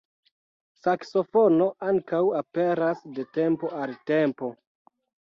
Saksofono ankaŭ aperas de tempo al tempo.